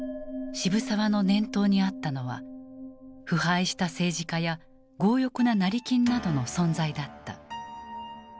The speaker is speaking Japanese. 渋沢の念頭にあったのは腐敗した政治家や強欲な成金などの存在だった。